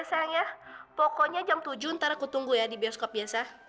ya sayang ya pokoknya jam tujuh ntar aku tunggu ya di bioskop biasa